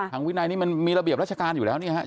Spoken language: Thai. ทางวินัยนี่มันมีระเบียบรัชการอยู่แล้วใช่ไหม